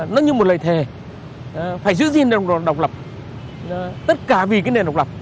nó như một lời thề phải giữ gìn nền độc lập tất cả vì cái nền độc lập